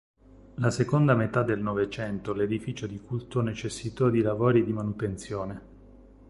La seconda metà del Novecento l'edificio di culto necessitò di lavori di manutenzione.